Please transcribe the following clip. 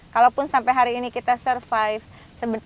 kalaupun sampai hari ini kita survive